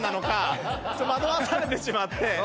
惑わされてしまって。